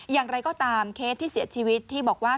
อย่างไรก็ตามเคสที่เสียชีวิตที่บอกว่า